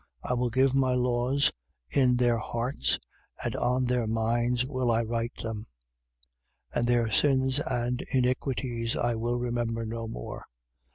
I will give my laws in their hearts and on their minds will I write them: 10:17. And their sins and iniquities I will remember no more.